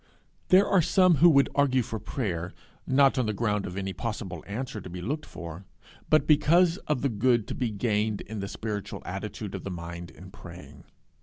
There are some who would argue for prayer, not on the ground of any possible answer to be looked for, but because of the good to be gained in the spiritual attitude of the mind in praying.